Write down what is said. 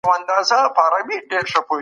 تل د ښو کارونو ملاتړ وکړئ.